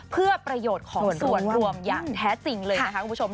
เพื่อประโยชน์ของส่วนรวมอย่างแท้จริงเลยนะคะคุณผู้ชม